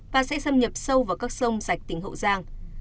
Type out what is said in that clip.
và sẽ xâm nhập sâu vào các sông rạch tỉnh hậu giang